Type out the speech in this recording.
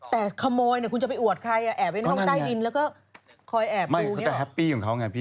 แต่ขโมยเนี่ยคุณจะไปอวดใครอ่ะแอบไปในห้องใต้ดินแล้วก็คอยแอบดูอย่างนี้หรอไม่เขาจะแฮปปี้ของเขาไงพี่